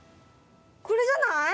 これじゃない？